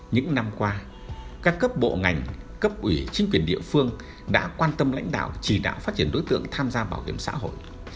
những năm qua các cấp bộ ngành cấp ủy chính quyền địa phương đã quan tâm lãnh đạo chỉ đạo phát triển đối tượng tham gia bảo hiểm xã hội